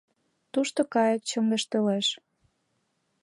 Тушто кайык чоҥештылеш.